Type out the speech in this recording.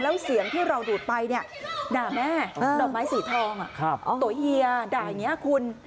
แล้วเสียงที่เราดูดไปเนี่ยด่าแม่ดอกไม้สีทองตัวเฮียด่าอย่างนี้คุณ